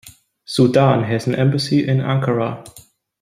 Sudan has an embassy in Ankara.